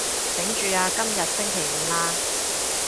頂住啊，今日星期五喇